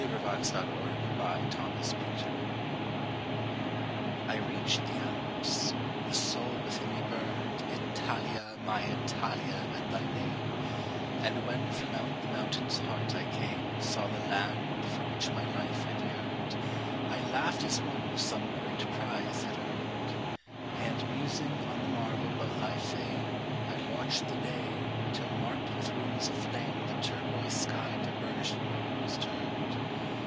CS8] SONNET ON APPROACHING ITALY 1 REACHED the Alps : the soul within me burned Italia, my Italia, at thy name : And when from out the mountain's heart I came And saw the land for which my life had yearned, I laughed as one who some great prize had earned : And musing on the marvel of thy fame I watched the day, till marked with wounds of flame The turquoise sky to burnished gold was turned.